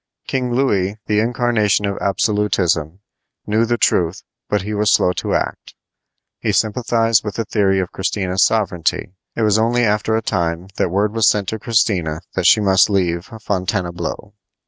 King Louis, the incarnation of absolutism, knew the truth, but he was slow to act. He sympathized with the theory of Christina's sovereignty. It was only after a time that word was sent to Christina that she must leave Fontainebleau.